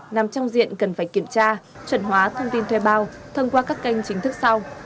nằm trong diện cần phải kiểm tra chuẩn hóa thông tin thuê bao thông qua các kênh chính thức sau